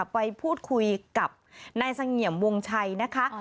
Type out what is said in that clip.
ไปพูดคุยกับนายเสงี่ยมวงชัยนะคะ